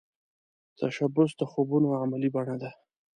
تشبث د خوبونو عملې بڼه ده